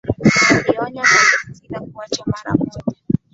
na kuionya palestina kuacha mara moja